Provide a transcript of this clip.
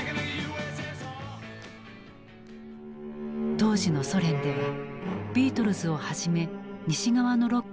当時のソ連ではビートルズをはじめ西側のロックは禁じられていた。